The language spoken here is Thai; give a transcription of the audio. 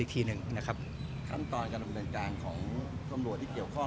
ทีหนึ่งนะครับขั้นตอนการดำเนินการของตำรวจที่เกี่ยวข้อง